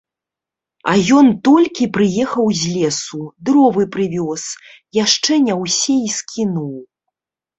А ён толькі прыехаў з лесу, дровы прывёз, яшчэ не ўсе і скінуў.